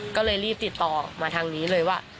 ก็เลยรีบติดต่อมาทางนี้เลยว่า